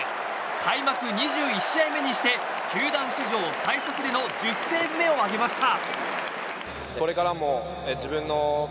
開幕２１試合目にして球団史上最速での１０セーブ目を挙げました。